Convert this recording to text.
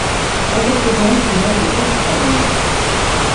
cent quatre-vingts chemin de Coste Ravelle